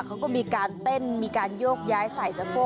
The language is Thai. เขาก็มีการเต้นมีการโยกย้ายใส่สะโพก